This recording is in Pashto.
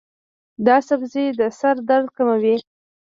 دا سبزی د سر درد کموي.